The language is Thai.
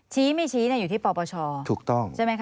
ชี้ไม่ชี้อยู่ที่ปวชถูกต้อง